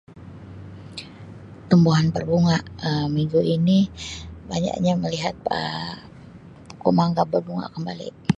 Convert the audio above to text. Tumbuhan berbunga Um minggu ini banyaknya melihat Um pokok mangga berbunga kembali.